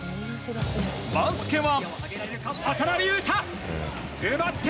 バスケは。